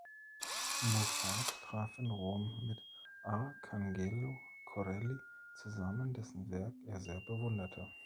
Muffat traf in Rom mit Arcangelo Corelli zusammen, dessen Werk er sehr bewunderte.